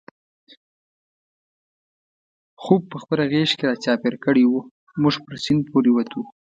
خوپ په خپله غېږ کې را چاپېر کړی و، موږ پر سیند پورې وتو.